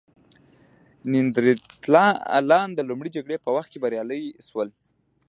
نیاندرتالان د لومړۍ جګړې په وخت کې بریالي شول.